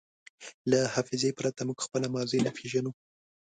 له حافظې پرته موږ خپله ماضي نه پېژنو.